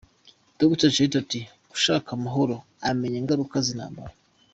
Dr Sherti ati «Ushaka amahoro, amenya ingaruka z’intambara.